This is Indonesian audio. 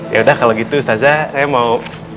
ya udah kalau gitu saza saya mau